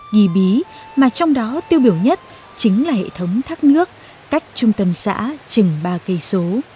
ghi bí mà trong đó tiêu biểu nhất chính là hệ thống thác nước cách trung tâm xã chừng ba cây số